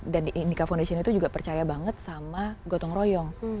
dan di indica foundation itu juga percaya banget sama gotong royong